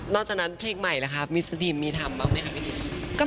นอกจากนั้นเพลงใหม่มิสเตรีมมีทำบ้างไหมครับ